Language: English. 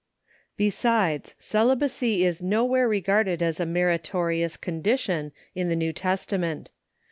Besides, celibacy is no where regarded as a meritorious condition in the New Testament.